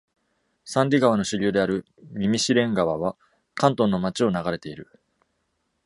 サンディ川の支流であるニミシレン川は、カントンの街を流れている。